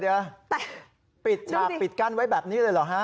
เดี๋ยวปิดฉากปิดกั้นไว้แบบนี้เลยเหรอฮะ